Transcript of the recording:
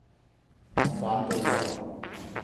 我反對喎